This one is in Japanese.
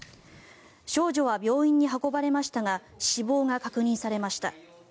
少女は病院に運ばれましたが死亡が確認されました。